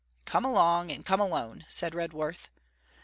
'Come along, and come alone,' said Redworth.